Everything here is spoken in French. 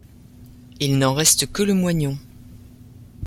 Il n’en reste que le moignon. ..